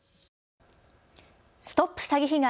ＳＴＯＰ詐欺被害！